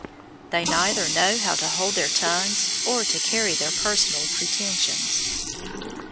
They neither know how to hold their tongues or to carry their personal pretensions.